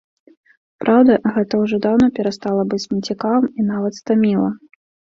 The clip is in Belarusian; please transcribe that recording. Праўда, гэта ўжо даўно перастала быць мне цікавым і нават стаміла.